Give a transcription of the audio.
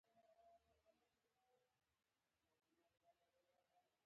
زه یې ډېر زیات منندوی یم او د هغې احسان پر ما دی.